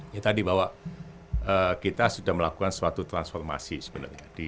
ya tadi bahwa kita sudah melakukan suatu transformasi sebenarnya